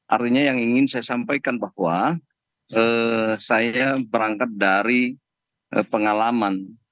artinya yang ingin saya sampaikan bahwa saya berangkat dari pengalaman